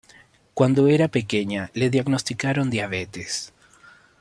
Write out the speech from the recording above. Cuando era pequeña le diagnosticaron diabetes.